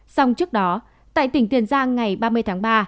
xong trước đó tại tỉnh tiền giang ngày ba mươi tháng ba